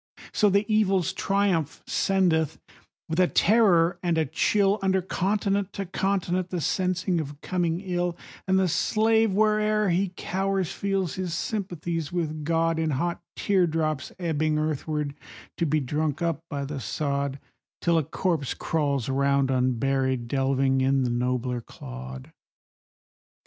So the Evil's triumph sendeth, with a terror and a chill, Under continent to continent, the sense of coming ill, And the slave, where'er he cowers, feels his sympathies with God In hot tear drops ebbing earthward, to be drunk up by the sod, Till a corpse crawls round unburied, delving in the nobler clod.